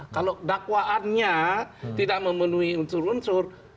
kalau dakwaannya tidak memenuhi unsur unsur